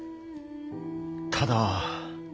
ただ。